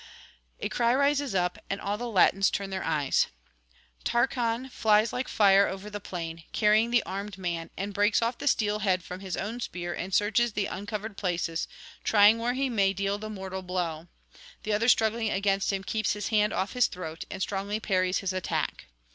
A cry rises up, and all the Latins turn their eyes. Tarchon flies like fire over the plain, carrying the armed man, and breaks off the steel head from his own spear and searches the uncovered places, trying where he may deal the mortal blow; the other struggling against him keeps his hand off his throat, and strongly parries his attack.